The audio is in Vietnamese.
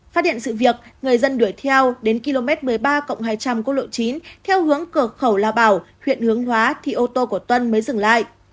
phát hiện sự việc người dân đuổi theo đến km một mươi ba hai trăm linh quốc lộ chín theo hướng cửa khẩu lao bảo huyện hướng hóa thì ô tô của tuân mới dừng lại